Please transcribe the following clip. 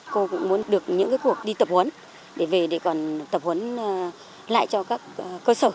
cô cũng muốn được những cuộc đi tập huấn để về để còn tập huấn lại cho các cơ sở